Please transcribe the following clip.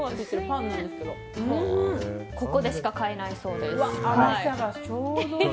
ここでしか買えないそうです。